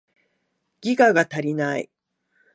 ギガが足りない